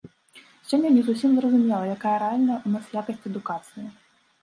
Сёння не зусім зразумела, якая рэальная ў нас якасць адукацыі.